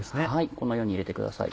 このように入れてください。